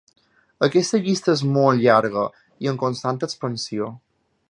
Aquesta llista és molt llarga i en constant expansió.